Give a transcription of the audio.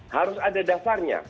harus ada dasarnya